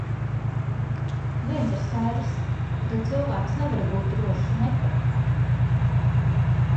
Viens ir skaidrs – tu cilvēks nevari būt drošs ne par ko.